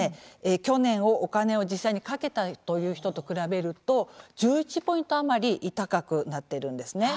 去年お金を実際にかけたという人と比べると１１ポイント余り高くなっているんですね。